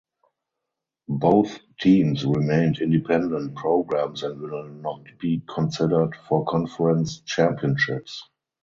Both teams remained independent programs and will not be considered for conference championships.